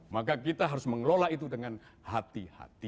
maka kita harus mengelola itu dengan hati hati